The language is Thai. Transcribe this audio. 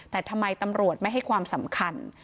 แต่ทำไมตำรวจไม่ให้ความสำคัญ